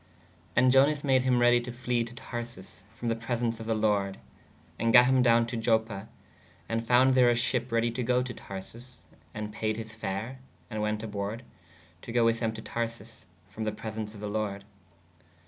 ¶ And Ionas made hī ready to fle to Tharsis frō the presens of [the] lorde/ & gatt hym downe to Ioppe/ and founde there a sheppe ready to goo to Tharsis/ & payed his fare/ & wēt aborde/ to goo with them to Tharsis frō the presens of the lorde.